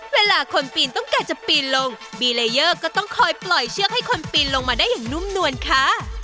เวลาคนปีนต้องการจะปีนลงบีเลเยอร์ก็ต้องคอยปล่อยเชือกให้คนปีนลงมาได้อย่างนุ่มนวลค่ะ